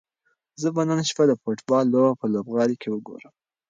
زه به نن شپه د فوټبال لوبه په لوبغالي کې وګورم.